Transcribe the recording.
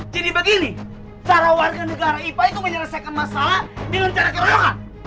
jadi begini cara warga negara ipa itu menyelesaikan masalah dengan cara keroyokan